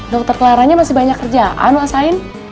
dokter clara nya masih banyak kerja apa yang kamu mau